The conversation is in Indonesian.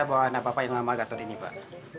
pak saya bawa anak bapak yang lama ke atas ini pak